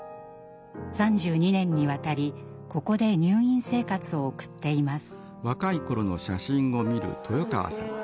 ３２年にわたりここで入院生活を送っています。